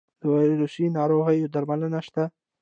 د ویروسي ناروغیو درملنه شته؟